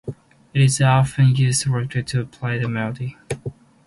It is often used rapidly to play a melody.